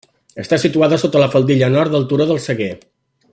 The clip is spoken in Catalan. Està situada sota la faldilla nord del turó del Seguer.